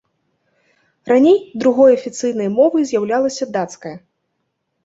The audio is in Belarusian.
Раней другой афіцыйнай мовай з'яўлялася дацкая.